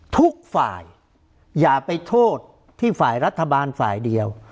ทุกฝ่ายอย่าไปโทษที่ฝ่ายรัฐบาลฝ่ายเดียว